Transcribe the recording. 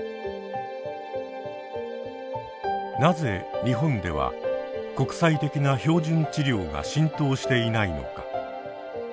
なぜ日本では国際的な標準治療が浸透していないのか。